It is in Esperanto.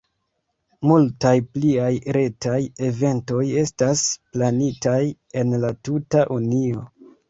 Multaj pliaj retaj eventoj estas planitaj en la tuta Unio.